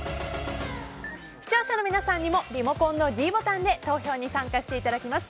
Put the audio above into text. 視聴者の皆さんにもリモコンのｄボタンで投票に参加していただきます。